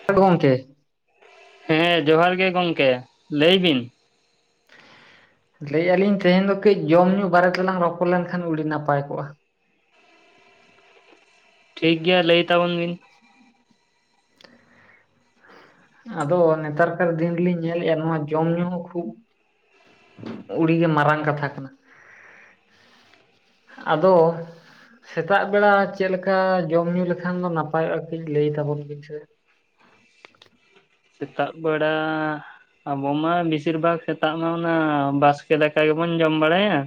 [unintelligible] ᱜᱚᱢᱠᱮ ᱦᱮᱸ ᱡᱚᱦᱟᱨ ᱜᱮ ᱜᱚᱢᱠᱮ ᱞᱟᱹᱭ ᱵᱤᱱ ᱞᱟᱹᱭᱮᱫᱼᱟᱹᱞᱤᱧ ᱛᱮᱦᱮᱧ ᱫᱚ ᱠᱟᱹᱡ ᱡᱚᱢ ᱧᱩ ᱵᱟᱨᱮ ᱛᱮᱞᱟᱝ ᱨᱚᱯᱚᱲ ᱞᱮᱱᱠᱷᱟᱱ ᱟᱹᱰᱤ ᱱᱟᱯᱟᱭ ᱠᱚᱜᱼᱟ ᱴᱷᱤᱠ ᱜᱮᱭᱟ ᱞᱟᱹᱭ ᱛᱟᱵᱚᱱ ᱵᱤᱱ? ᱟᱫᱚ ᱱᱮᱛᱟᱨ ᱠᱟᱨ ᱫᱤᱱ ᱨᱮᱞᱤᱧ ᱧᱮᱞᱮᱫᱼᱟ ᱱᱚᱣᱟ ᱡᱚᱢ ᱧᱩ ᱦᱚᱸ ᱠᱷᱩᱵ ᱩᱹᱰᱤ ᱜᱮ ᱢᱟᱨᱟᱝ ᱠᱟᱛᱷᱟ ᱠᱟᱱᱟ ᱟᱫᱚ ᱥᱮᱛᱟᱜ ᱵᱮᱲᱟ ᱪᱮᱫ ᱞᱮᱠᱟ ᱡᱚᱢ ᱧᱩ ᱞᱮᱠᱷᱟᱱ ᱫᱚ ᱱᱟᱯᱟᱭᱚᱜᱼᱟ ᱠᱟᱹᱡ ᱞᱟᱹᱭ ᱛᱟᱵᱚᱱ ᱵᱤᱱ ᱥᱮ? ᱥᱮᱛᱟᱜ ᱵᱮᱲᱟ ᱟᱵᱚ ᱢᱟ ᱵᱤᱥᱤᱨ ᱵᱷᱟᱜ ᱥᱮᱛᱟᱜ ᱢᱟ ᱚᱱᱟ ᱵᱟᱥᱠᱮ ᱫᱟᱠᱟ ᱜᱮᱵᱚᱱ ᱡᱚᱢ ᱵᱟᱲᱟᱭᱟ᱾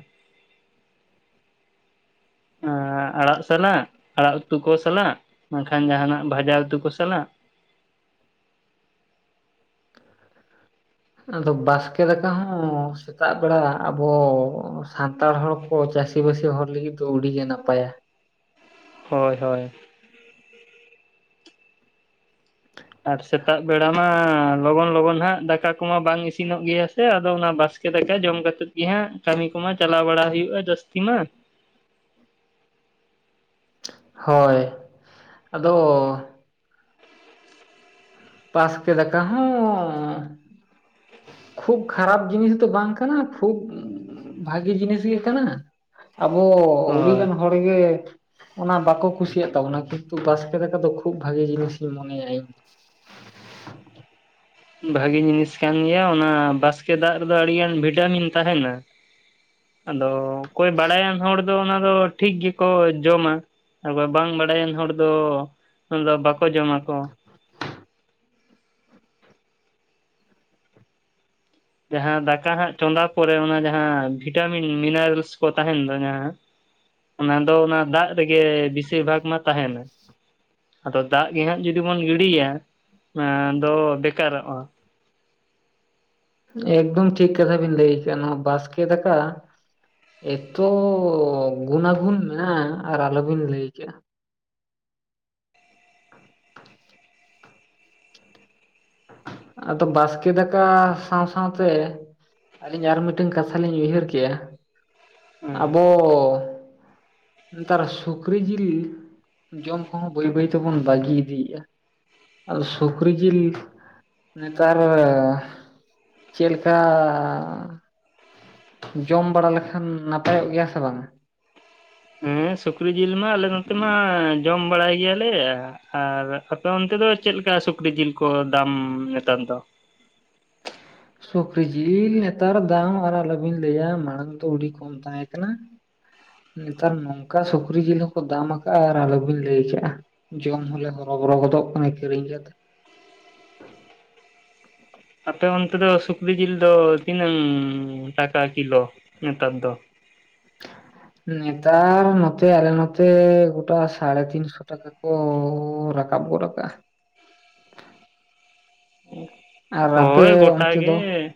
ᱟᱸ ᱟᱲᱟᱜ ᱥᱟᱞᱟᱜ ᱟᱲᱟᱜ ᱩᱛᱩ ᱠᱚ ᱥᱟᱞᱟᱜ ᱵᱟᱝᱠᱷᱟᱱ ᱡᱟᱸᱦᱟᱱᱟᱜ ᱵᱷᱟᱡᱟ ᱩᱛᱩ ᱠᱚ ᱥᱟᱞᱟᱜ ᱟᱫᱚ ᱵᱟᱥᱠᱮ ᱫᱟᱠᱟ ᱦᱚᱸ ᱥᱮᱛᱟᱜ ᱵᱮᱲᱟ ᱟᱵᱚ ᱥᱟᱱᱛᱟᱲ ᱦᱚᱲ ᱠᱚ ᱪᱟᱹᱥᱤᱵᱟᱹᱥᱤ ᱦᱚᱲ ᱞᱟᱹᱜᱤᱫ ᱫᱚ ᱟᱹᱰᱤᱜᱮ ᱱᱟᱯᱟᱭᱟ ᱦᱳᱭ ᱦᱳᱭ, ᱟᱨ ᱥᱮᱛᱟᱜ ᱵᱮᱲᱟ ᱢᱟ ᱞᱚᱜᱚᱱ ᱞᱚᱜᱚᱱ ᱦᱟᱸᱜ ᱫᱟᱠᱟ ᱠᱚᱢᱟ ᱵᱟᱝ ᱤᱥᱤᱱᱚᱜ ᱜᱮᱭᱟ ᱥᱮ ᱟᱫᱚ ᱚᱱᱟ ᱵᱟᱥᱠᱮ ᱫᱟᱠᱟ ᱡᱚᱢ ᱠᱟᱛᱮᱫ ᱜᱮ ᱦᱟᱸᱜ ᱠᱟᱹᱢᱤ ᱠᱚᱢᱟ ᱪᱟᱞᱟᱣ ᱵᱟᱲᱟ ᱦᱩᱭᱩᱜᱼᱟ ᱡᱟᱹᱥᱛᱤ ᱢᱟ᱾ ᱦᱳᱭ ᱟᱫᱚ ᱵᱟᱥᱠᱮ ᱫᱟᱠᱟ ᱦᱚᱸ ᱠᱷᱩᱵ ᱠᱷᱟᱨᱟᱯ ᱡᱤᱱᱤᱥ ᱫᱚ ᱵᱟᱝ ᱠᱟᱱᱟ ᱠᱷᱩᱵ ᱵᱷᱟᱜᱤ ᱡᱤᱱᱤᱥ ᱜᱮ ᱠᱟᱱᱟ ᱟᱵᱚ ᱟᱹᱰᱤ ᱦᱳᱭ ᱜᱟᱱ ᱦᱚᱲ ᱜᱮ ᱚᱱᱟ ᱵᱟᱠᱚ ᱠᱩᱥᱤᱭᱟᱜ ᱛᱟᱵᱚᱱᱟ ᱠᱤᱱᱛᱩ ᱵᱟᱥᱠᱮ ᱫᱟᱠᱟ ᱫᱚ ᱠᱷᱩᱵ ᱵᱷᱟᱜᱤ ᱡᱤᱱᱤᱥᱤᱧ ᱢᱚᱱᱮᱭᱟ ᱤᱧ ᱵᱷᱟᱜᱤ ᱡᱤᱱᱤᱥ ᱠᱟᱱ ᱜᱮᱭᱟ ᱚᱱᱟ ᱵᱟᱥᱠᱮ ᱫᱟᱜ ᱨᱮᱫᱚ ᱟᱹᱰᱤᱜᱟᱱ ᱵᱷᱤᱴᱟᱢᱤᱱ ᱛᱟᱦᱮᱱᱟ [inaudible] ᱟᱫᱚ ᱚᱠᱚᱭ ᱵᱟᱲᱟᱭᱟᱱ ᱦᱚᱲ ᱫᱚ ᱚᱱᱟ ᱫᱚ ᱴᱷᱤᱠ ᱜᱮᱠᱚ ᱡᱚᱢᱟ᱾ [unintelligible] ᱵᱟᱝ ᱵᱟᱰᱟᱭᱟᱱ ᱦᱚᱲ ᱫᱚ ᱩᱱ ᱫᱚ ᱵᱟᱠᱚ ᱡᱚᱢᱟᱠᱚ ᱡᱟᱦᱟᱸ ᱫᱟᱠᱟ ᱦᱟᱸᱜ ᱪᱚᱸᱫᱟ ᱯᱚᱨᱮ ᱚᱱᱟ ᱡᱟᱦᱟᱸ ᱵᱷᱤᱴᱟᱢᱤᱱ ᱢᱤᱱᱟᱨᱮᱞᱥ ᱠᱚ ᱛᱟᱦᱮᱱ ᱠᱟᱱᱟ᱾ ᱚᱱᱟ ᱫᱚ ᱚᱱᱟ ᱫᱟᱜ ᱨᱮᱜᱮ ᱵᱤᱥᱤᱨ ᱵᱷᱟᱜᱽ ᱢᱟ ᱛᱟᱦᱮᱱᱟ ᱟᱫᱚ ᱫᱟᱜ ᱜᱮ ᱦᱟᱸᱜ ᱡᱩᱫᱤ ᱵᱚᱱ ᱜᱤᱰᱤᱭᱟ ᱚᱱᱟᱫᱚ ᱵᱮᱠᱟᱨᱚᱜᱼᱟ ᱮᱠᱫᱚᱢ ᱴᱷᱤᱠ ᱠᱟᱛᱷᱟ ᱵᱤᱱ ᱞᱟᱹᱭ ᱠᱮᱫ ᱟ ᱱᱚᱣᱟ ᱵᱟᱥᱠᱮ ᱫᱟᱠᱟ ᱮᱛᱚ ᱜᱩᱱᱟᱜᱩᱱ ᱢᱮᱱᱟᱜᱼᱟ ᱟᱨ ᱟᱞᱚᱵᱤᱱ ᱞᱟᱹᱭ ᱠᱮᱫᱼᱟ [inaudible] ᱟᱫᱚ ᱵᱟᱥᱠᱮ ᱫᱟᱠᱟ ᱥᱟᱶ ᱥᱟᱶᱛᱮ ᱟᱹᱞᱤᱧ ᱟᱨ ᱢᱤᱫᱴᱮᱱ ᱠᱟᱛᱷᱟ ᱞᱤᱧ ᱩᱭᱦᱟᱹᱨ ᱠᱮᱜᱼᱟ ᱟᱵᱚ ᱱᱮᱛᱟᱨ ᱥᱩᱠᱨᱤ ᱡᱤᱞ ᱡᱚᱢ ᱠᱚ ᱦᱚᱸ ᱵᱟᱹᱭ ᱵᱟᱹᱭ ᱛᱮᱵᱚᱱ ᱵᱟᱹᱜᱤ ᱤᱫᱤᱭᱮᱫᱼᱟ ᱟᱨ ᱥᱩᱠᱨᱤ ᱡᱤᱞ ᱱᱮᱛᱟᱨ ᱪᱮᱫ ᱞᱮᱠᱟᱻ ᱡᱚᱢ ᱵᱟᱲᱟ ᱞᱮᱠᱷᱟᱱ ᱱᱟᱯᱟᱭᱚᱜ ᱜᱮᱭᱟ ᱥᱮ ᱵᱟᱝᱟ ᱦᱮᱸ ᱥᱩᱠᱨᱤ ᱡᱤᱞ ᱢᱟ ᱟᱞᱮ ᱱᱚᱛᱮ ᱢᱟ ᱡᱚᱢ ᱵᱟᱲᱟᱭ ᱜᱮᱭᱟᱞᱮ᱾ ᱟᱨ ᱟᱯᱮ ᱚᱱᱛᱮ ᱫᱚ ᱪᱮᱫᱞᱮᱠᱟ ᱥᱩᱠᱨᱤ ᱡᱤᱞ ᱠᱚ ᱫᱟᱢ ᱱᱮᱛᱟᱨ ᱫᱚ ᱥᱩᱠᱨᱤ ᱡᱤᱞ ᱱᱮᱛᱟᱨ ᱫᱟᱢ ᱟᱨ ᱟᱞᱚᱵᱤᱱ ᱞᱟᱹᱭᱟ ᱢᱟᱲᱟᱝ ᱫᱚ ᱟᱹᱰᱤ ᱠᱚᱢ ᱛᱟᱦᱮᱸ ᱠᱟᱱᱟ ᱱᱮᱛᱟᱨ ᱱᱚᱝᱠᱟ ᱥᱩᱠᱨᱤ ᱡᱤᱞ ᱦᱚᱸᱠᱚ ᱫᱟᱢ ᱟᱠᱟᱜ-ᱟ ᱟᱨ ᱟᱞᱚᱵᱤᱱ ᱞᱟᱹᱭ ᱠᱮᱜ-ᱟ᱾ ᱡᱚᱢ ᱦᱚᱞᱮ ᱦᱚᱨᱚᱵᱚᱨᱚ ᱜᱚᱫᱚᱜ ᱠᱟᱱᱟ ᱠᱤᱨᱤᱧ ᱠᱟᱛᱮ᱾ ᱟᱯᱮ ᱚᱱᱛᱮ ᱫᱚ ᱥᱩᱠᱨᱤ ᱡᱤᱞ ᱫᱚ ᱛᱤᱱᱟᱹᱝ ᱴᱟᱠᱟ ᱠᱤᱞᱳ ᱱᱮᱛᱟᱨ ᱫᱚ? ᱱᱮᱛᱟᱨ ᱱᱚᱛᱮ ᱟᱞᱮ ᱱᱚᱛᱮ ᱜᱳᱴᱟ ᱥᱟᱲᱮ ᱛᱤᱱᱥᱚ ᱴᱟᱠᱟ᱾ ᱠᱚᱻᱩ ᱨᱟᱠᱟᱵ ᱜᱚᱫ ᱟᱠᱟᱫ-ᱟ ᱟᱨ ᱟᱯᱮ ᱦᱳᱭ ᱜᱳᱴᱟ ᱚᱱᱛᱮ ᱫᱚ? ᱜᱮ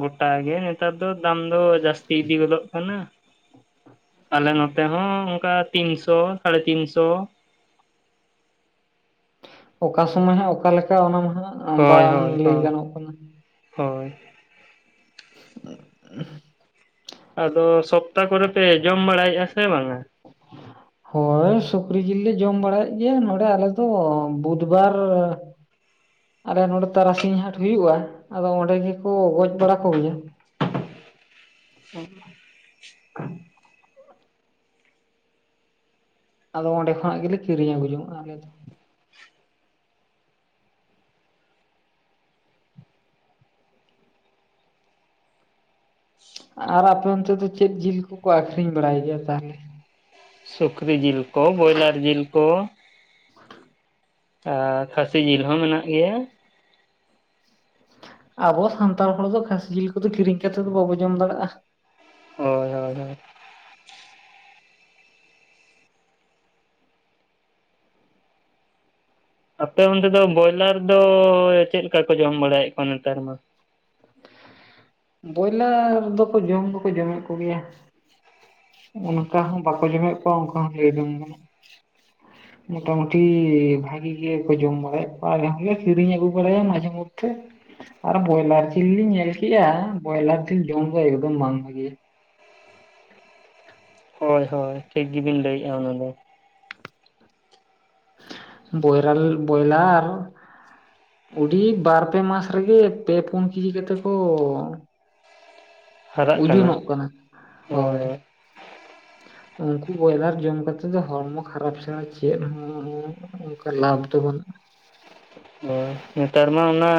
ᱜᱚᱴᱟ ᱜᱮ ᱱᱮᱛᱟᱨ ᱫᱚ ᱫᱟᱢ ᱫᱚ ᱡᱟᱹᱥᱛᱤ ᱤᱫᱤ ᱜᱚᱫᱚᱜ ᱠᱟᱱᱟ᱾ ᱟᱞᱮ ᱱᱚᱛᱮ ᱦᱚᱸ ᱚᱱᱠᱟ ᱛᱤᱱᱥᱚ ᱥᱟᱲᱮ ᱛᱤᱱ ᱥᱚ᱾ ᱚᱠᱟ ᱥᱚᱢᱚᱭ ᱦᱟᱸᱜ ᱚᱠᱟᱞᱮᱠᱟ ᱚᱱᱟ ᱢᱟᱦᱟᱸ ᱦᱳᱭ ᱵᱟᱝ ᱦᱳᱭ ᱞᱟᱹᱭ ᱦᱳᱭ ᱜᱟᱱᱚᱜ ᱠᱟᱱᱟ᱾ ᱦᱳᱭ [unintelligible] ᱟᱫᱚ ᱥᱚᱯᱛᱟᱦ ᱠᱚᱨᱮ ᱯᱮ ᱡᱚᱢ ᱵᱟᱲᱟᱭᱮᱜ-ᱟ ᱥᱮ ᱵᱟᱝᱟ? [unintelligible] ᱦᱚᱭ ᱥᱩᱠᱨᱤ ᱡᱤᱞ ᱞᱮ ᱡᱚᱢ ᱵᱟᱲᱟᱭᱮᱜ ᱜᱮᱭᱟ ᱱᱚᱸᱰᱮ ᱟᱞᱮᱫᱚ ᱵᱩᱫᱷᱵᱟᱨ ᱟᱞᱮ ᱱᱚᱸᱰᱮ ᱛᱟᱨᱟᱥᱤᱧ ᱦᱟᱴ ᱦᱩᱭᱩᱜᱼᱟ ᱟᱫᱚ ᱚᱸᱰᱮ ᱜᱮᱠᱚ ᱜᱚᱡ ᱵᱟᱲᱟ ᱠᱚᱜᱮᱭᱟ [unintelligible] ᱟᱫᱚ ᱚᱸᱰᱮ ᱠᱷᱚᱱᱟᱜ ᱜᱮᱞᱮ ᱠᱤᱨᱤᱧ ᱟᱹᱜᱩ ᱡᱚᱝ-ᱟ ᱟᱞᱮ ᱫᱚ᱾ [inaudible] ᱟᱨ ᱟᱯᱮ ᱚᱱᱛᱮ ᱫᱚ ᱪᱮᱫ ᱡᱤᱞ ᱠᱚᱠᱚ ᱟᱠᱷᱨᱤᱧ ᱵᱟᱲᱟᱭ ᱜᱮᱭᱟ ᱛᱟᱦᱚᱞᱮ? ᱥᱩᱠᱨᱤ ᱡᱤᱞ ᱠᱚ ᱵᱚᱭᱞᱟᱨ ᱡᱤᱞ ᱠᱚ᱾ ᱟᱨ ᱠᱷᱟᱹᱥᱤ ᱡᱤᱞ ᱦᱚᱸ ᱢᱮᱱᱟᱜ ᱜᱮᱭᱟ᱾ ᱟᱵᱚ ᱥᱟᱱᱛᱟᱲ ᱦᱚᱲ ᱫᱚ ᱠᱷᱟᱹᱥᱤ ᱡᱤᱞ ᱠᱚᱫᱚ ᱠᱤᱨᱤᱧ ᱠᱟᱛᱮᱫ ᱫᱚ ᱵᱟᱵᱚ ᱡᱚᱢ ᱫᱟᱲᱮᱭᱟᱜᱼᱟ ᱦᱳᱭ ᱦᱳᱭ ᱦᱳᱭ ᱟᱯᱮ ᱚᱱᱛᱮ ᱫᱚ ᱵᱚᱭᱞᱟᱨ ᱫᱚ ᱪᱮᱫᱞᱮᱠᱟ ᱠᱚ ᱡᱚᱢ ᱵᱟᱲᱟᱭᱮᱫ ᱠᱚᱣᱟ ᱱᱮᱛᱟᱨ ᱢᱟ? ᱵᱚᱭᱞᱟᱨ ᱫᱚᱠᱚ ᱡᱚᱢ ᱫᱚᱠᱚ ᱡᱚᱢᱮᱫ ᱠᱚ ᱜᱮᱭᱟ᱾ ᱚᱱᱠᱟ ᱦᱚᱸ ᱵᱟᱠᱚ ᱡᱚᱢᱮᱫ ᱠᱚᱣᱟ ᱚᱱᱠᱟ ᱦᱚᱸ ᱞᱟᱹᱭ ᱢᱚᱴᱟᱢᱩᱴᱤ ᱵᱷᱟᱜᱤ ᱜᱮᱠᱚ ᱡᱚᱢ ᱵᱟᱲᱟᱭᱟ ᱠᱚ ᱟᱞᱮᱦᱚᱸᱞᱮ ᱠᱤᱨᱤᱧ ᱟᱹᱜᱩ ᱵᱟᱲᱟᱭᱟ ᱢᱟᱡᱷᱮ ᱢᱚᱫᱽ ᱴᱷᱮ ᱟᱨ ᱵᱚᱭᱞᱟᱨ ᱡᱤᱞ ᱞᱤᱧ ᱧᱮᱞᱠᱮᱜ-ᱟ, ᱵᱚᱭᱞᱟᱨ ᱡᱤᱞ ᱡᱚᱢ ᱦᱚᱸ ᱮᱠᱫᱚᱢ ᱵᱟᱝ ᱵᱷᱟᱜᱮᱭᱟ᱾ ᱦᱳᱭ ᱦᱳᱭ, ᱴᱷᱤᱠ ᱜᱮᱵᱤᱱ ᱞᱟᱹᱭᱮᱜ-ᱟ ᱚᱱᱟ ᱫᱚ᱾ ᱵᱚᱭᱨᱟᱞ ᱵᱚᱭᱞᱟᱨ ᱩᱰᱤ ᱵᱟᱨ ᱯᱮ ᱢᱟᱥ ᱨᱮᱜᱮ ᱯᱮ ᱯᱩᱱ ᱠᱮᱡᱤ ᱠᱟᱛᱮ ᱠᱚ ᱩᱡᱩᱱᱚᱜ ᱠᱟᱱᱟ᱾ ᱦᱳᱭ ᱩᱱᱠᱩ ᱵᱚᱭᱞᱟᱨ ᱡᱚᱢ ᱠᱟᱛᱮᱜ ᱫᱚ ᱦᱚᱲᱢᱚ ᱠᱷᱟᱨᱟᱯ ᱪᱷᱟᱲᱟ ᱪᱮᱫ ᱦᱚᱸ ᱚᱱᱠᱟ ᱞᱟᱵᱷ ᱫᱚ ᱵᱟᱹᱱᱩᱜ-ᱟ᱾ ᱚ ᱱᱮᱛᱟᱨ ᱢᱟ ᱚᱱᱟ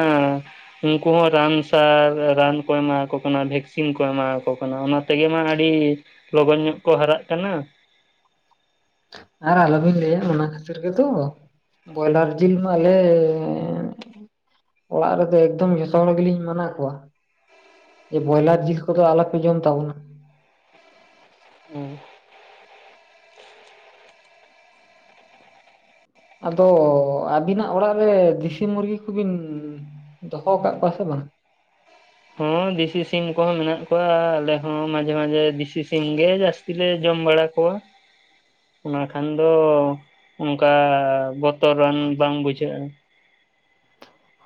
ᱩᱱᱠᱩ ᱦᱚᱸ ᱨᱟᱱ ᱥᱟᱨ ᱨᱟᱱ ᱠᱚ ᱮᱢᱟᱠᱚ ᱠᱟᱱᱟ ᱵᱷᱮᱠᱥᱤᱱ ᱠᱚ ᱮᱢᱟᱠᱚ ᱠᱟᱱᱟ ᱚᱱᱟ ᱛᱮᱜᱮ ᱢᱟ ᱟᱹᱰᱤ ᱞᱚᱜᱚᱱ ᱧᱚᱜ ᱠᱚ ᱦᱟᱨᱟᱜ ᱠᱟᱱᱟ᱾ ᱟᱨ ᱟᱞᱚᱵᱤᱱ ᱞᱟᱹᱭᱟ ᱚᱱᱟ ᱠᱷᱟᱹᱛᱤᱨ ᱜᱮᱛᱚ, ᱵᱚᱭᱞᱟᱨ ᱡᱤᱞ ᱢᱟᱞᱮᱻ ᱚᱲᱟᱜ ᱨᱮᱫᱚ ᱮᱠᱫᱚᱢ ᱡᱚᱛᱚ ᱦᱚᱲ ᱜᱮᱞᱤᱧ ᱢᱟᱱᱟ ᱠᱚᱣᱟ᱾ ᱡᱮ ᱵᱚᱭᱞᱟᱨ ᱡᱤᱞ ᱠᱚᱫᱚ ᱟᱞᱚᱯᱮ ᱡᱚᱢ ᱛᱟᱵᱚᱱᱟ ᱦᱩᱸ ᱟᱫᱚ ᱟᱹᱵᱤᱱᱟᱜ ᱚᱲᱟᱜ ᱨᱮ ᱫᱮᱥᱤ ᱢᱩᱨᱜᱤ ᱠᱚᱵᱤᱱ ᱫᱚᱦᱚ ᱣᱟᱠᱟᱫ ᱠᱚᱣᱟ ᱥᱮ ᱵᱟᱝ? ᱦᱚᱸ ᱫᱤᱥᱤ ᱥᱤᱢ ᱠᱚᱦᱚᱸ ᱢᱮᱱᱟᱜ ᱠᱚᱣᱟ ᱟᱞᱮ ᱦᱚᱸ ᱢᱟᱡᱷᱮ ᱢᱟᱡᱷᱮ ᱫᱤᱥᱤ ᱥᱤᱢᱜᱮ ᱡᱟᱹᱥᱛᱤ ᱞᱮ ᱡᱚᱢ ᱵᱟᱲᱟ ᱠᱚᱣᱟ [inaudible] ᱚᱱᱟ ᱠᱷᱟᱱ ᱫᱚ ᱚᱱᱠᱟ ᱵᱚᱛᱚᱨᱟᱱ ᱵᱟᱝ ᱵᱩᱡᱷᱟᱹᱜᱼᱟ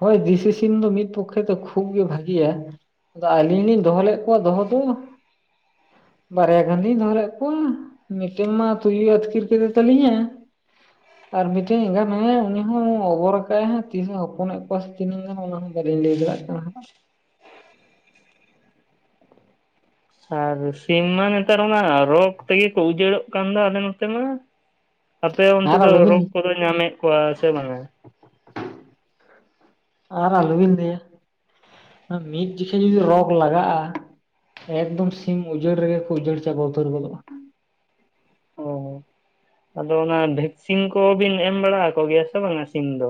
ᱦᱳᱭ ᱫᱤᱥᱤ ᱥᱤᱢ ᱫᱚ ᱢᱤᱫ ᱯᱚᱠᱠᱷᱮ ᱫᱚ ᱠᱷᱩᱵ ᱜᱮ ᱵᱷᱟᱜᱤᱭᱟ᱾ ᱟᱫᱚ ᱟᱹᱞᱤᱧ ᱞᱤᱧ ᱫᱚᱦᱚ ᱞᱮᱫ ᱠᱚᱣᱟ ᱫᱚᱦᱚ ᱫᱚ᱾ ᱵᱟᱨᱭᱟ ᱜᱟᱱ ᱞᱤᱧ ᱫᱚᱦᱚᱞᱮᱫ ᱠᱚᱣᱟ᱾ ᱢᱤᱴᱤᱝ ᱢᱟ ᱛᱩᱭᱩ ᱟᱹᱛᱠᱤᱨ ᱠᱮᱫᱮ ᱛᱟᱞᱤᱧᱟ᱾ ᱟᱨ ᱢᱤᱫᱴᱮᱱ ᱮᱸᱜᱟ ᱢᱮᱱᱟᱭᱟ ᱩᱱᱤ ᱦᱚᱸ ᱚᱵᱚᱨ ᱟᱠᱟᱫᱟᱭ ᱛᱤᱥ ᱦᱚᱸ ᱦᱚᱯᱚᱱ ᱮ ᱠᱚ ᱯᱚᱥᱛᱤᱱᱤᱧ ᱧᱟᱢᱟ ᱚᱱᱟ ᱦᱚ ᱵᱟᱞᱤᱧ ᱞᱟᱹᱭ ᱫᱟᱲᱮᱜ ᱠᱟᱱᱟ᱾ ᱟᱨ ᱥᱤᱢ ᱢᱟ ᱱᱮᱛᱟᱨ ᱚᱱᱟ ᱨᱳᱜᱽ ᱛᱮᱜᱮ ᱠᱚ ᱩᱡᱟᱹᱲᱚᱜ ᱠᱟᱱ ᱫᱚ ᱟᱞᱮ ᱱᱚᱛᱮ ᱢᱟ᱾ ᱟᱯᱮ ᱚᱱᱛᱮ ᱟᱨ ᱫᱚ ᱟᱞᱚᱵᱤᱱ ᱨᱳᱜ ᱠᱚᱫᱚ ᱧᱟᱢᱮᱫ ᱠᱚᱣᱟ ᱥᱮ ᱵᱟᱝᱟ? ᱟᱨ ᱟᱞᱚ ᱵᱤᱱ ᱞᱟᱹᱭᱟ ᱢᱤᱫ ᱡᱚᱠᱷᱮᱡ ᱡᱩᱫᱤ ᱨᱳᱜᱽ ᱞᱟᱜᱟᱜᱼᱟ ᱮᱠᱫᱚᱢ ᱥᱤᱢ ᱩᱡᱟᱹᱲ ᱨᱮᱜᱮ ᱠᱚ ᱩᱡᱟᱹᱲ ᱪᱟᱵᱟ ᱩᱛᱟᱹᱨ ᱜᱚᱫᱚᱜᱼᱟ᱾ ᱚ ᱟᱫᱚ ᱚᱱᱟ ᱵᱷᱮᱠᱥᱤᱱ ᱠᱚᱵᱤᱱ ᱮᱢ ᱵᱟᱲᱟ ᱟᱠᱚ ᱜᱮᱭᱟ ᱥᱮ ᱵᱟᱝᱟ ᱥᱤᱢ ᱫᱚ?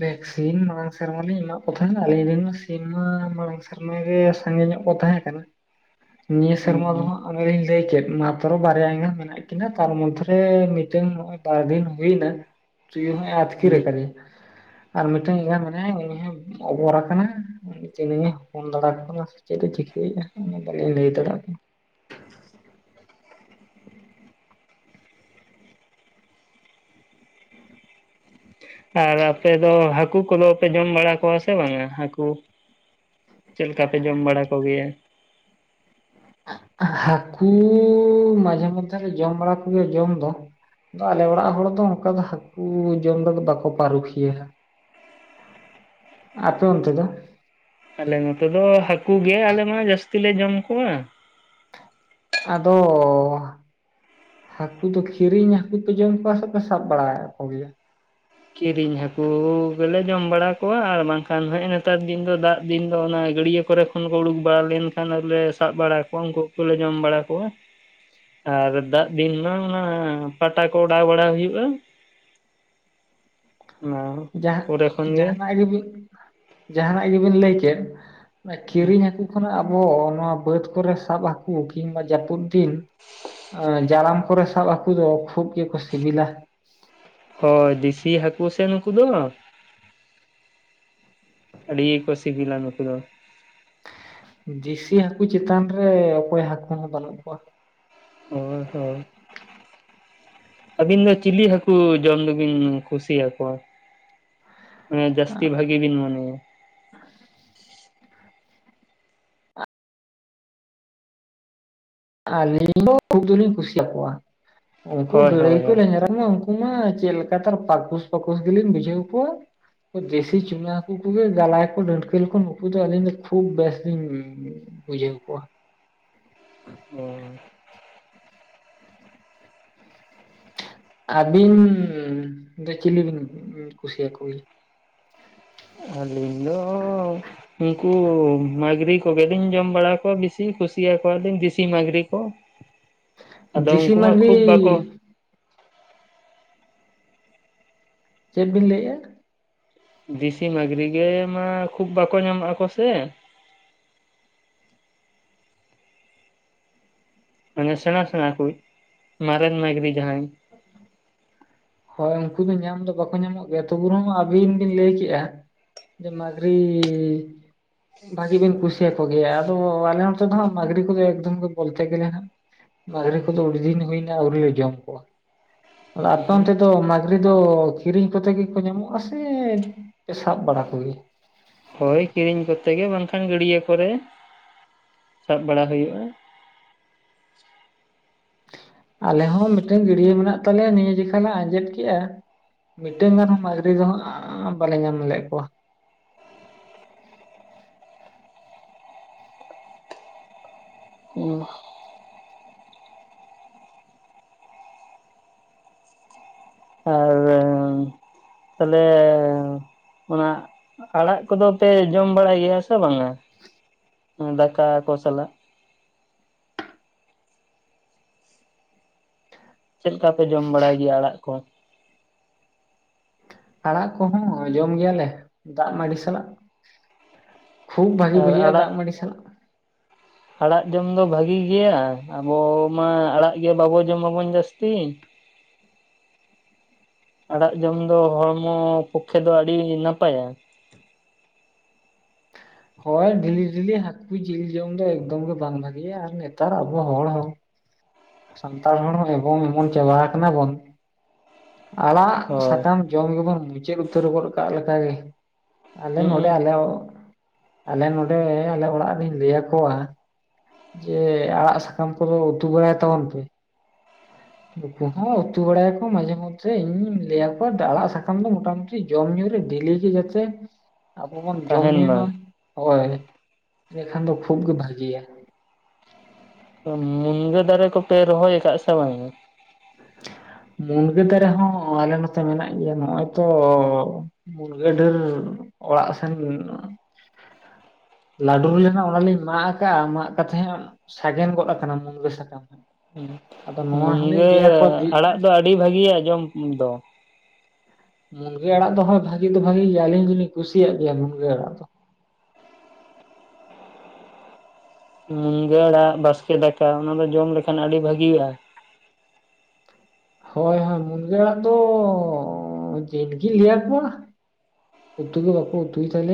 ᱵᱷᱮᱠᱥᱤᱱ ᱢᱟᱲᱟᱝ ᱥᱮᱨᱢᱟ ᱟᱞᱤᱧ ᱮᱢᱟᱜ ᱠᱚ ᱛᱟᱭᱮᱱᱟ ᱟᱹᱧᱤᱱ ᱨᱮᱱᱢᱟ ᱥᱤᱢ ᱢᱟ ᱢᱟᱲᱟᱝ ᱥᱮ ᱥᱮᱨᱢᱟ ᱜᱮ ᱥᱟᱸᱜᱤᱧ ᱧᱚᱜ ᱠᱚ ᱛᱟᱦᱮᱸ ᱠᱟᱱᱟ᱾ ᱱᱤᱭᱟᱹ ᱥᱮᱨᱢᱟ ᱫᱚ ᱦᱩᱸ ᱦᱟᱸᱜ ᱚᱱᱮᱞᱤᱧ ᱞᱟᱹᱭ ᱠᱮᱫ ᱢᱟᱛᱨᱚ ᱵᱟᱨᱮᱭᱟ ᱮᱸᱜᱟ ᱢᱮᱱᱟᱜ ᱛᱟ ᱠᱤᱱᱟ ᱛᱟᱨ ᱢᱚᱫᱽᱫᱷᱮᱨᱮ ᱢᱤᱫᱴᱮᱱ ᱱᱚᱜᱚᱭ ᱵᱟᱨ ᱫᱤᱱ ᱦᱩᱭ ᱮᱱᱟ ᱛᱩᱭᱩ ᱦᱚᱭ ᱟᱹᱛᱠᱤᱨ ᱦᱩᱸ ᱟᱠᱟᱫᱮᱭᱟ ᱟᱨ ᱢᱤᱫᱴᱮᱱ ᱮᱸᱜᱟ ᱢᱮᱱᱟᱭᱟᱭ ᱩᱱᱤ ᱦᱚᱸ ᱚᱵᱚᱨᱟ ᱠᱟᱱᱟ ᱩᱱᱤ ᱛᱤᱱᱟᱹᱜ ᱦᱚᱯᱚᱱ ᱫᱟᱲᱮ ᱠᱟᱱᱟ ᱥᱮ ᱪᱮᱫ ᱮ ᱪᱤᱠᱟᱹᱭᱮᱫᱟ ᱚᱱᱟ ᱵᱟᱹᱞᱤᱧ ᱞᱟᱹᱭ ᱫᱟᱲᱮᱭᱟᱜ ᱠᱟᱱᱟ᱾ [inaudible] ᱟᱨ ᱟᱯᱮ ᱫᱚ ᱦᱟᱹᱠᱩ ᱠᱚᱫᱚ ᱯᱮ ᱡᱚᱢ ᱵᱟᱲᱟ ᱠᱚᱣᱟ ᱥᱮ ᱵᱟᱝᱟ ᱦᱟᱹᱠᱩ ᱪᱮᱫ ᱞᱮᱠᱟ ᱯᱮ ᱡᱚᱢ ᱵᱟᱲᱟ ᱠᱚᱜᱮᱭᱟ? ᱦᱟᱹᱠᱩ ᱢᱟᱡᱷᱮ ᱢᱚᱫᱽᱫᱷᱮ ᱨᱮ ᱡᱚᱢ ᱵᱟᱲᱟ ᱠᱚᱜᱮ ᱡᱚᱢ ᱫᱚ᱾ ᱟᱫᱚ ᱟᱞᱮ ᱚᱲᱟᱜ ᱦᱚᱲ ᱫᱚ ᱚᱱᱠᱟ ᱫᱚ ᱦᱟᱹᱠᱩ ᱡᱚᱢ ᱨᱮ ᱵᱟᱠᱚ ᱯᱟᱹᱨᱩᱠᱷᱤᱭᱟᱹᱣᱟ ᱟᱹᱛᱩᱨ ᱛᱮᱫᱚ ᱟᱞᱮ ᱱᱚᱛᱮ ᱫᱚ ᱦᱟᱹᱠᱩ ᱜᱮ ᱟᱞᱮ ᱢᱟ ᱡᱟᱹᱥᱛᱤ ᱞᱮ ᱡᱚᱢ ᱠᱚᱣᱟ᱾ ᱟᱫᱚ ᱦᱟᱹᱠᱩ ᱫᱚ ᱠᱤᱨᱤᱧ ᱦᱟᱠᱩ ᱯᱮ ᱡᱚᱢ ᱠᱚᱣᱟ ᱥᱮᱯᱮ ᱥᱟᱵ ᱵᱟᱲᱟ ᱠᱚᱜᱮᱭᱟ? ᱠᱤᱨᱤᱧ ᱦᱟᱹᱠᱩ ᱜᱮᱞᱮ ᱡᱚᱢ ᱵᱟᱲᱟ ᱠᱚᱣᱟ ᱟᱨ ᱵᱟᱝᱠᱷᱟᱱ ᱦᱮᱜ ᱱᱮᱛᱟᱨ ᱫᱤᱱ ᱫᱚ ᱫᱟᱜ ᱫᱤᱱ ᱫᱚ ᱚᱱᱟ ᱜᱟᱹᱰᱭᱟᱹ ᱠᱚᱨᱮ ᱛᱚᱠᱷᱚᱱ ᱠᱚ ᱩᱰᱩᱠ ᱵᱟᱲᱟ ᱞᱮᱱᱠᱷᱟᱱ ᱟᱞᱮ ᱥᱟᱵ ᱵᱟᱲᱟ ᱠᱚᱣᱟ ᱩᱱᱠᱩ ᱠᱚᱞᱮ ᱡᱚᱢ ᱵᱟᱲᱟ ᱠᱚᱣᱟ᱾ ᱟᱨ ᱫᱟᱜ ᱫᱤᱱ ᱢᱟ ᱚᱱᱟ ᱯᱟᱴᱟ ᱠᱚ ᱚᱰᱟᱣ ᱵᱟᱲᱟ ᱦᱩᱭᱩᱜᱼᱟ᱾ [unintelligible] ᱡᱟᱦᱟᱸ ᱯᱚᱨᱮ ᱠᱷᱚᱱ ᱡᱟᱦᱟᱱᱟᱜ ᱜᱮ ᱵᱤᱱ ᱡᱟᱦᱟᱱᱟᱜ ᱜᱮᱵᱤᱱ ᱞᱟᱹᱭ ᱠᱮᱫ ᱠᱤᱨᱤᱧ ᱦᱟᱹᱠᱩ ᱡᱚᱠᱷᱚᱱᱟᱜ ᱟᱵᱚ ᱱᱚᱣᱟ ᱵᱟᱹᱫ ᱠᱚᱨᱮ ᱥᱟᱵ ᱦᱟᱠᱩ ᱠᱤᱝᱵᱟ ᱡᱟᱹᱯᱩᱫ ᱫᱤᱱ ᱡᱟᱲᱟᱢ ᱠᱚᱨᱮ ᱥᱟᱵ ᱦᱟᱠᱩ ᱫᱚ ᱠᱷᱩᱵ ᱜᱮᱠᱚ ᱥᱤᱵᱤᱞᱟ᱾ ᱦᱳᱭ ᱫᱮᱥᱤ ᱦᱟᱹᱠᱩ ᱥᱮ ᱱᱩᱠᱩ ᱫᱚ᱾ ᱟᱹᱰᱤ ᱜᱮᱠᱚ ᱥᱤᱵᱤᱞᱟ ᱱᱩᱠᱩ ᱫᱚ᱾ ᱫᱮᱥᱤ ᱦᱟᱹᱠᱩ ᱪᱮᱛᱟᱱ ᱨᱮ ᱚᱠᱚᱭ ᱦᱟᱹᱠᱩ ᱦᱚᱸ ᱵᱟᱹᱱᱩᱜ ᱠᱚᱣᱟ᱾ ᱦᱳᱭ ᱦᱳᱭ ᱟᱹᱵᱤᱱ ᱫᱚ ᱪᱤᱞᱤ ᱦᱟᱹᱠᱩ ᱡᱚᱢ ᱫᱚᱵᱤᱱ ᱠᱩᱥᱤᱭᱟᱠᱚᱣᱟ? ᱦᱮᱸ ᱡᱟᱹᱥᱛᱤ ᱵᱷᱟᱹᱜᱤ ᱵᱤᱱ ᱢᱚᱱᱮᱭᱟ ᱟᱹᱞᱤᱧ ᱫᱚ ᱠᱷᱩᱵ ᱫᱚᱞᱤᱧ ᱠᱩᱥᱤᱭᱟᱠᱚᱣᱟ ᱩᱱᱠᱩ ᱦᱳᱭ ᱜᱟᱹᱲᱟᱹᱭ ᱦᱳᱭ ᱠᱚ ᱦᱳᱭ ᱞᱮᱧᱡᱨᱟ ᱩᱱᱠᱩ ᱢᱟ ᱪᱮᱫᱞᱮᱠᱟ ᱪᱚ ᱯᱟᱠᱩᱥ ᱯᱟᱠᱩᱥ ᱜᱮᱞᱤᱧ ᱵᱩᱡᱷᱟᱹᱣ ᱠᱚᱣᱟ᱾ ᱫᱮᱥᱤ ᱪᱩᱱᱟ ᱦᱟᱹᱠᱩ ᱠᱚᱜᱮ ᱡᱟᱞᱟᱭ ᱠᱚ ᱰᱟᱹᱲᱠᱟᱹ ᱞᱮᱠᱚ ᱱᱩᱠᱩ ᱫᱚ ᱟᱹᱞᱤᱧ ᱫᱚ ᱠᱷᱩᱵ ᱵᱮᱥᱞᱤᱧ ᱵᱩᱡᱟᱹᱣ ᱠᱚᱣᱟ ᱚ ᱟᱹᱵᱤᱱ ᱫᱚ ᱪᱤᱞᱤ ᱵᱤᱱ ᱠᱩᱥᱤᱭᱟ ᱠᱚ ᱜᱮᱭᱟ? ᱟᱹᱞᱤᱧ ᱫᱚ ᱩᱱᱠᱩ ᱢᱟᱹᱜᱽᱨᱤ ᱠᱚᱜᱮᱞᱤᱧ ᱡᱚᱢ ᱵᱟᱲᱟ ᱠᱚᱣᱟ ᱵᱤᱥᱤ ᱠᱩᱥᱤᱭᱟᱠᱚᱣᱟᱞᱤᱧ ᱫᱮᱥᱤ ᱢᱟᱹᱜᱽᱨᱤ ᱠᱚ᱾ ᱟᱫᱚ ᱡᱮᱥᱤ ᱩᱱᱠᱩ ᱢᱟ ᱢᱟᱹᱜᱽᱨᱤ ᱠᱷᱩᱵ ᱵᱟᱠᱚ ᱪᱮᱫ ᱵᱤᱱ ᱞᱟᱹᱭᱮᱫᱼᱟ ᱫᱮᱥᱤ ᱢᱟᱹᱜᱽᱨᱤ ᱜᱮ ᱢᱟ ᱠᱷᱩᱵ ᱵᱟᱠᱚ ᱧᱟᱢᱚᱜ ᱟᱠᱚ ᱥᱮ ᱟᱱᱮ ᱥᱮᱬᱟ ᱥᱮᱬᱟ ᱠᱩᱡ ᱢᱟᱨᱮᱱ ᱢᱟᱹᱨᱤᱱ ᱢᱮᱱᱟᱭ ᱠᱟᱫᱤ ᱡᱟᱦᱟᱸᱭ ᱦᱚᱭ ᱩᱱᱠᱩ ᱫᱚ ᱧᱟᱢ ᱫᱚ ᱵᱟᱠᱚ ᱧᱟᱢᱚᱜ ᱜᱮᱭᱟ ᱛᱚ ᱵᱩᱨᱮ ᱢᱟ ᱟᱹᱵᱤᱱ ᱵᱤᱱ ᱞᱟᱹᱭ ᱠᱮᱜᱼᱟ ᱡᱮ ᱢᱟᱜᱨᱤ ᱵᱷᱟᱹᱜᱤ ᱵᱤᱱ ᱠᱩᱥᱤᱭᱟᱠᱚ ᱜᱮᱭᱟ ᱟᱫᱚ ᱟᱞᱮ ᱱᱚᱛᱮ ᱫᱚᱜ ᱢᱟᱹᱜᱽᱨᱤ ᱠᱚᱫᱚ ᱮᱠᱫᱚᱢ ᱜᱮ ᱵᱚᱞᱛᱮ ᱜᱮᱞᱮ ᱦᱟᱸᱜ ᱵᱟᱜᱨᱮ ᱠᱚᱫᱚ ᱟᱹᱰᱤ ᱫᱤᱱ ᱦᱩᱭᱱᱟ ᱟᱹᱣᱨᱤ ᱞᱮ ᱡᱚᱢ ᱠᱚᱣᱟ ᱚᱱ ᱛᱮᱫᱚ ᱢᱜᱽᱨᱤ ᱫᱚ ᱠᱤᱨᱤᱧ ᱠᱚᱛᱮ ᱜᱮᱠᱚ ᱧᱟᱢᱚᱜᱼᱟ ᱥᱮ ᱥᱟᱵ ᱵᱟᱲᱟ ᱠᱚᱜᱮ ᱦᱚᱭ ᱠᱤᱨᱤᱧ ᱠᱚᱛᱮ ᱜᱮ ᱵᱟᱝᱠᱷᱟᱱ ᱜᱟᱹᱰᱤᱭᱟᱹ ᱠᱚᱨᱮ ᱥᱟᱵ ᱵᱟᱲᱟ ᱦᱩᱭᱩᱜᱼᱟ ᱟᱞᱮ ᱦᱚᱸ ᱢᱤᱫᱴᱮᱱ ᱜᱤᱰᱭᱟᱹ ᱢᱮᱱᱟᱜ ᱛᱟᱞᱮᱭᱟ ᱱᱤᱭᱟᱹ ᱡᱮᱠᱷᱟ ᱞᱮ ᱟᱸᱡᱮᱫ ᱠᱮᱜᱼᱟ ᱢᱤᱫᱴᱮᱱ ᱜᱟᱱᱦ ᱢᱟᱹᱝᱜᱨᱤ ᱫᱚ ᱦᱟᱸᱜ ᱵᱟᱞᱮ ᱧᱟᱢ ᱞᱮᱫ ᱠᱚᱣᱟ ᱦᱮᱸ ᱟᱨ [unintelligible] ᱛᱟᱦᱞᱮ ᱚᱱᱟ ᱟᱲᱟᱜ ᱠᱚᱫᱚ ᱯᱮ ᱡᱚᱢ ᱵᱟᱲᱟᱭ ᱜᱮᱭᱟ ᱥᱮ ᱵᱟᱝᱟ ᱫᱟᱠᱟ ᱠᱚ ᱥᱟᱞᱟᱜ ᱪᱮᱫ ᱞᱮᱠᱟ ᱯᱮ ᱡᱚᱢ ᱵᱟᱲᱟᱭ ᱜᱮᱭᱟ ᱟᱲᱟᱜ ᱠᱚ ᱟᱲᱟᱜ ᱠᱚᱦᱚᱸ ᱡᱚᱢ ᱜᱮᱭᱟᱞᱮ ᱫᱟᱜ ᱢᱟᱹᱰᱤ ᱥᱟᱞᱟᱜ ᱠᱷᱩᱵ ᱵᱷᱟᱜᱤ ᱟᱨ ᱵᱩᱡᱷᱟᱹᱜᱼᱟ ᱟᱲᱟᱜ ᱫᱟᱜ ᱢᱟᱹᱱᱰᱤ ᱥᱟᱞᱟᱜ ᱟᱲᱟᱜ ᱡᱚᱢ ᱫᱚ ᱵᱷᱟᱹᱜᱤ ᱜᱮᱭᱟ ᱟᱵᱚ ᱢᱟ ᱟᱲᱟᱜ ᱜᱮ ᱵᱟᱵᱚ ᱡᱚᱢᱟᱵᱚᱱ ᱡᱟᱹᱥᱛᱤ ᱟᱲᱟᱜ ᱡᱚᱢ ᱫᱚ ᱦᱚᱲᱢᱚ ᱯᱚᱠᱠᱷᱮ ᱫᱚ ᱟᱹᱰᱤ ᱱᱟᱯᱟᱭᱟ ᱦᱳᱭ ᱰᱤᱞᱤ ᱰᱮᱞᱤ ᱦᱟᱹᱠᱩ ᱡᱤᱞ ᱡᱚᱢ ᱫᱚ ᱮᱠᱫᱚᱢ ᱜᱮ ᱵᱟᱝ ᱵᱷᱟᱜᱤᱭᱟ ᱟᱨ ᱱᱮᱛᱟᱨ ᱟᱵᱚ ᱦᱚᱲ ᱦᱚᱸ ᱥᱟᱱᱛᱟᱲ ᱦᱚᱲ ᱦᱚᱸ ᱮᱵᱚᱝ ᱮᱢᱚᱱ ᱪᱟᱵᱟ ᱟᱠᱟᱱᱟ ᱵᱚᱱ ᱟᱲᱟᱜ ᱦᱳᱭ ᱥᱟᱠᱟᱢ ᱡᱚᱢ ᱜᱮᱵᱚᱱ ᱢᱩᱪᱟᱹᱫ ᱩᱛᱟᱹᱨ ᱜᱚᱫ ᱠᱟᱜ ᱞᱮᱠᱟᱜᱮ ᱟᱞᱮ ᱱᱚᱰᱮ ᱦᱩᱸ ᱟᱞᱮ ᱟᱞᱮ ᱱᱚᱰᱮ ᱟᱞᱮ ᱚᱲᱟᱜ ᱨᱤᱧ ᱞᱟᱹᱭ ᱟᱠᱚᱣᱟ ᱡᱮ ᱟᱲᱟᱜ ᱥᱟᱠᱟᱢ ᱠᱚᱫᱚ ᱩᱛᱩ ᱵᱟᱲᱟᱭ ᱛᱟᱵᱚᱱ ᱯᱮ ᱱᱩᱠᱩ ᱦᱚᱸ ᱩᱛᱩ ᱵᱟᱲᱟᱭᱟᱠᱚ ᱢᱟᱡᱷᱮ ᱢᱚᱫᱽᱨᱮᱧ ᱞᱟᱹᱭᱟ ᱠᱩᱣᱟ ᱟᱲᱟᱜ ᱥᱟᱠᱟᱢ ᱫᱚ ᱢᱚᱴ ᱢᱩᱴᱤ ᱡᱚᱢ ᱧᱩ ᱨᱮ ᱰᱤᱞᱤ ᱠᱤ ᱡᱟᱛᱮ ᱟᱵᱚ ᱵᱚᱱ ᱡᱚᱢᱧᱩᱭ ᱢᱟ ᱦᱳᱭ ᱤᱰᱮᱠᱷᱟᱱ ᱫᱚ ᱠᱷᱩᱵᱜ ᱵᱷᱟᱹᱜᱤᱭᱟ ᱢᱩᱱᱜᱟᱹ ᱫᱟᱨᱮ ᱠᱚᱯᱮ ᱨᱚᱦᱚᱭ ᱟᱠᱟᱫ ᱥᱮ ᱵᱟᱝ ᱢᱩᱱᱜᱟᱹ ᱫᱟᱨᱮ ᱦᱚᱸ ᱟᱞᱮ ᱱᱚᱛᱮ ᱢᱮᱱᱟᱜ ᱜᱮᱭᱟ ᱱᱚᱜᱼᱚᱭ ᱛᱚ ᱢᱩᱱᱜᱟᱹ ᱰᱷᱮᱨ ᱚᱲᱟᱜ ᱥᱮᱱ ᱞᱟᱹᱰᱩᱨ ᱞᱮᱱᱟ ᱚᱱᱟᱞᱤᱧ ᱢᱟᱜ ᱟᱠᱟᱫᱼᱟ ᱢᱟᱜ ᱠᱟᱛᱮ ᱦᱟᱜ ᱥᱟᱜᱮᱱ ᱜᱚᱫ ᱟᱠᱟᱱᱟ ᱢᱩᱱᱞᱟᱹ ᱥᱟᱠᱟᱢ ᱟᱫᱚ ᱱᱚᱣᱟ ᱦᱚᱸᱞᱤᱧ ᱢᱩᱱᱜᱟᱹ ᱞᱟᱹᱭ ᱟᱠᱚᱣᱟ ᱫᱤ ᱟᱲᱟᱜ ᱫᱚ ᱟᱹᱰᱤ ᱵᱷᱟᱹᱜᱤᱭᱟ ᱡᱚᱢ ᱫᱚ ᱢᱩᱱᱜᱟᱹ ᱟᱲᱟᱜ ᱫᱚ ᱦᱭ ᱵᱷᱟᱜᱤ ᱫᱚ ᱵᱷᱟᱜᱤ ᱜᱮᱭᱟ ᱟᱹᱞᱤᱧ ᱫᱚᱞᱤᱧ ᱠᱩᱥᱤ ᱭᱟᱜ ᱜᱮᱭᱟ ᱢᱩᱱᱜᱟᱹ ᱟᱲᱟᱜ ᱫᱚ, ᱢᱩᱱᱜᱟᱹ ᱟᱲᱟᱜ ᱵᱟᱥᱠᱮ ᱫᱟᱠᱟ ᱚᱱᱟ ᱫᱚ ᱡᱚᱢ ᱞᱮᱠᱷᱟᱱ ᱟᱹᱰᱤ ᱵᱷᱟᱹᱜᱤᱼᱟ ᱦᱳᱭ ᱦᱳᱭ ᱢᱩᱱᱜᱟᱹ ᱟᱲᱟᱜ ᱫᱚ ᱡᱮᱫ ᱜᱤᱧ ᱞᱟᱹᱭᱟ ᱠᱚᱣᱟ ᱩᱛᱩ ᱜᱤ ᱵᱟᱠᱚ ᱩᱛᱩᱭ ᱛᱟᱞᱮᱭᱟ